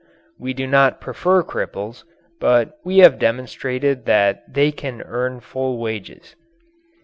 We do not prefer cripples but we have demonstrated that they can earn full wages.